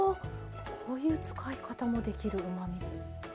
こういう使い方もできるうまみ酢。